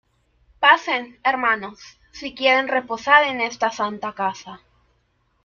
pasen, hermanos , si quieren reposar en esta santa casa.